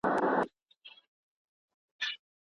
خور او ورور یې ورته پردي ښکاره کېدل.